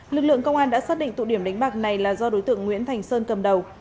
lực lượng công an đã xác định tụ điểm đánh bạc này là do đối tượng nguyễn thành sơn cầm đầu